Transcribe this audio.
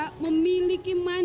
dan pembuka kepentingan